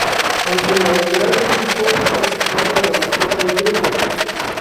Aunque en el lateral del disco aparece parte de la mascota del grupo.